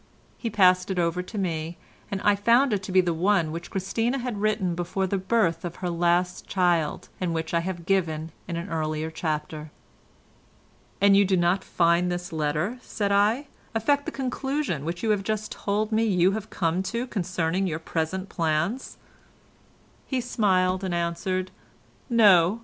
He passed it over to me, and I found it to be the one which Christina had written before the birth of her last child, and which I have given in an earlier chapter. "And you do not find this letter," said I, "affect the conclusion which you have just told me you have come to concerning your present plans?" He smiled, and answered: "No.